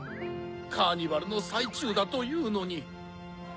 カーニバルのさいちゅうだというのに。